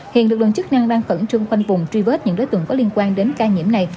hiện lực lượng chức năng đang khẩn trương khoanh vùng truy vết những đối tượng có liên quan đến ca nhiễm này